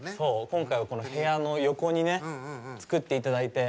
今回はこの部屋の横にね作っていただいて。